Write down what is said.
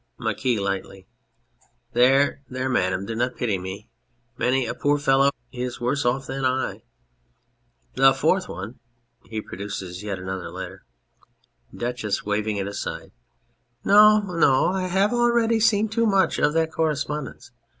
MARQUIS (lightly]. There ! there ! Madam, do not pity me. Many a poor fellow is worse off than I. The fourth one ... (He produces yet another letter.} DUCHESS (waving it aside). No, no, I have already seen too much of that correspondence